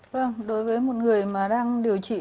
vâng đối với một người mà đang điều trị